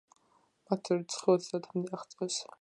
მათი რიცხვი ოცდაათამდე აღწევს.